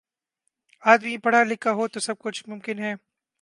آدمی پڑھا لکھا ہو تو سب کچھ ممکن ہے